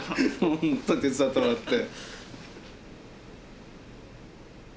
手伝ってもらって。